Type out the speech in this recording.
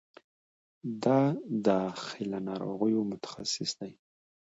د داخله ناروغیو متخصص دی